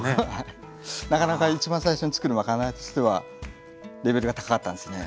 なかなか一番最初につくるまかないとしてはレベルが高かったんですね。